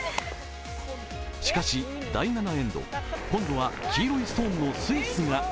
しかし第７エンド今度は黄色いストーンのスイスが。